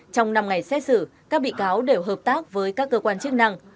trong năm ngày xét xử các bị cáo đều hợp tác với các cơ quan chức năng